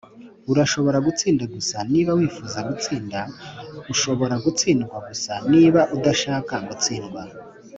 "urashobora gutsinda gusa niba wifuza gutsinda; ushobora gutsindwa gusa niba udashaka gutsindwa